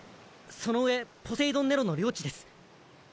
その上ポセイドン・ネロの領地です。